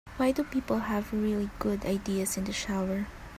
Why do people have really good ideas in the shower?